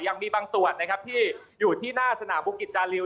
ยังมีบางส่วนนะครับที่อยู่ที่หน้าสนามบุกิจจาริว